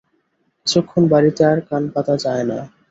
কিছুক্ষণ বাড়িতে আর কান পাতা যায় না।